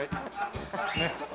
ねっ。